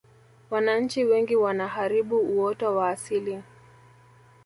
wananchi wengi wanaharibu uoto wa asili